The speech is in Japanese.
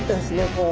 こう。